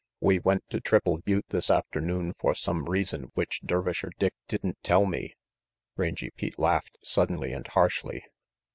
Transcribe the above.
We went to Triple Butte this afternoon for some reason which Dervisher Dick didn't tell me Rangy Pete laughed suddenly and harshly.